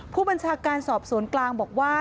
ผู้บัญชาการสอบสวนกลางบอกว่า